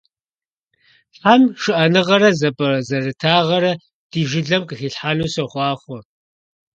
Тхьэм шыӀэныгъэрэ зэпӀэзэрытагъэрэ ди жылэм къыхилъхьэну сохъуахъуэ.